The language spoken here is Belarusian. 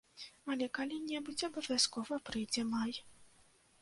Але калі-небудзь абавязкова прыйдзе май.